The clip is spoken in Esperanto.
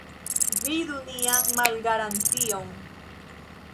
Vidu nian malgarantion.